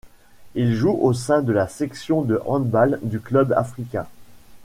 Il joue au sein de la section de handball du Club africain.